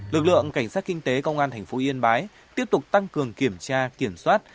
lực lượng cảnh sát kinh tế công an tp yên bái tiếp tục tăng cường kiểm tra kiểm soát